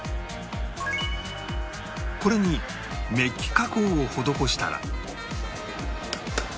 これにメッキ加工を施したら